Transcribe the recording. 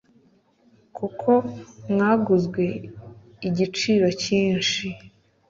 kuko mwaguzwe igiciro cyinshi.